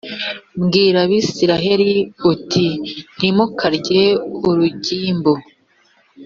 bwira abisirayeli uti ntimukarye urugimbu